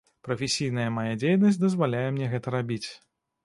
Прафесійная мая дзейнасць дазваляе мне гэта рабіць.